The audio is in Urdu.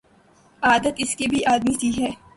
عادت اس کی بھی آدمی سی ہے